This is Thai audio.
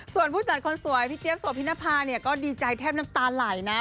ส่วนผู้จัดคนสวยพี่เจฟสวพินภาก็ดีใจแทบน้ำตาไหลนะ